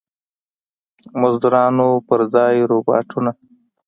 مزدورانو پر ځای روباټونه.